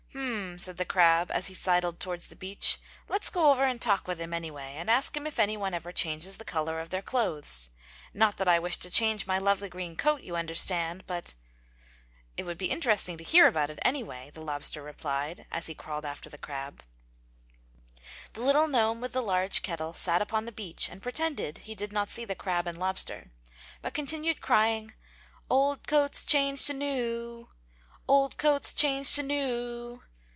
"Hmm!" said the crab as he sidled towards the beach. "Let's go over and talk with him, anyway, and ask him if anyone ever changes the color of their clothes. Not that I wish to change my lovely green coat, you understand, but " "It would be interesting to hear about it, anyway!" the lobster replied, as he crawled after the crab. The little gnome with the large kettle sat upon the beach and pretended he did not see the crab and lobster, but continued crying: "Old coats changed to new! Green ones changed to red!